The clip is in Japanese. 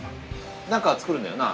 何か作るんだよな？